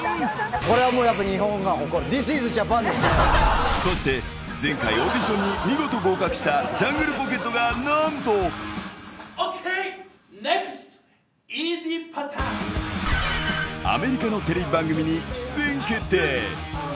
これはもうやっぱり日本が誇そして、前回、オーディションに見事合格したジャングルポケットがなんと。ＯＫ、アメリカのテレビ番組に出演決定。